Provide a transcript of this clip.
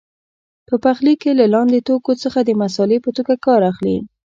په پخلي کې له لاندې توکو څخه د مسالې په توګه کار اخلي.